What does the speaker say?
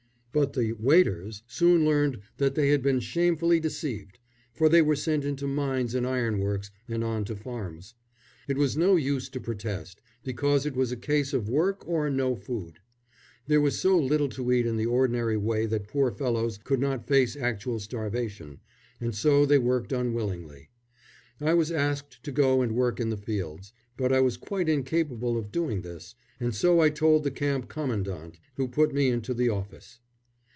But the "waiters" soon learned that they had been shamefully deceived, for they were sent into mines and ironworks and on to farms. It was no use to protest, because it was a case of work or no food. There was so little to eat in the ordinary way that poor fellows could not face actual starvation, and so they worked unwillingly. I was asked to go and work in the fields, but I was quite incapable of doing this, and so I told the camp commandant, who put me into the office.